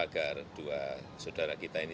agar dua saudara kita ini